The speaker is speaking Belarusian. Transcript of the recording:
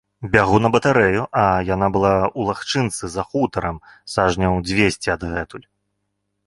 Бягу на батарэю, а яна была ў лагчынцы, за хутарам, сажняў дзвесце адгэтуль.